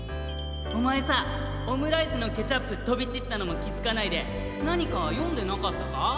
おまえさオムライスのケチャップとびちったのもきづかないでなにかよんでなかったか？